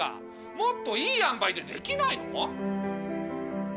もっといいあんばいでできないの？